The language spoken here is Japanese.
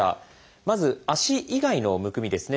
まず足以外のむくみですね